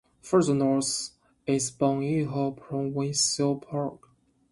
Further north is Bon Echo Provincial Park.